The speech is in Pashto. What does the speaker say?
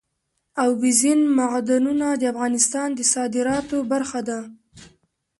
اوبزین معدنونه د افغانستان د صادراتو برخه ده.